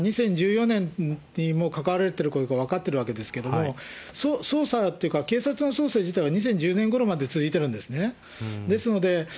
だって、関わられたのは２０１４年にも関わられていることが分かってるわけですけれども、捜査というか警察の捜査自体は、２０１０年ごろまで続いているんですね。